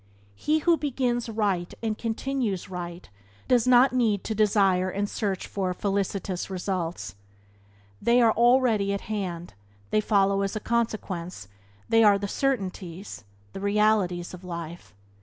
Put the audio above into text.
He who begins right and continues right does not need to desire and search for felicitous results; they are already at hand; they follow as consequences; they are the certainties, the realities of life.